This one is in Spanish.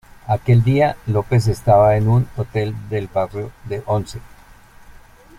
Aquel día López estaba en un hotel del barrio de Once.